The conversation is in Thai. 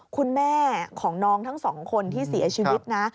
คุณแม่ของน้องทั้งสองคนที่เสียชีวิตนะ